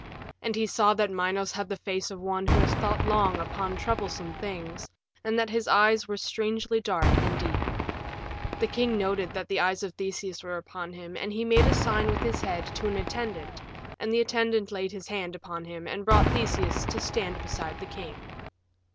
And he saw that Minos had the face of one who has thought long upon troublesome things, and that his eyes were strangely dark and deep. The king noted that the eyes of Theseus were upon him, and he made a sign with his head to an attendant and the attendant laid his hand upon him and brought Theseus to stand beside the king.